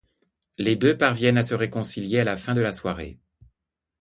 Les deux parviennent à se réconcilier à la fin de la soirée.